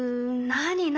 何？